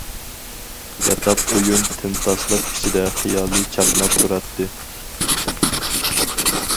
ياتاق ئۆيۈم تىمتاسلىق ئىچىدە خىيالىي چاقناپ تۇراتتى.